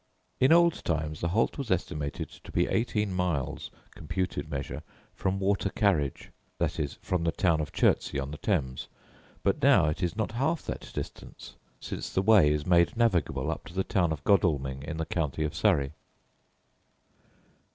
In old times the Holt was estimated to be eighteen miles, computed measure, from water carriage, viz., from the town of Chertsey, on the Thames; but now it is not half that distance, since the Wey is made navigable up to the town of Godalming in the county of Surrey.